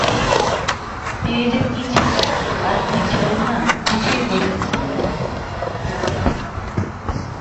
তিনি যে কি ছিলেন, আর কি ছিলেন না, কিছুই বোঝা যায় না।